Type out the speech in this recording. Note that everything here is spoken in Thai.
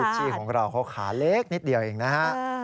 ชี่ของเราเขาขาเล็กนิดเดียวเองนะฮะ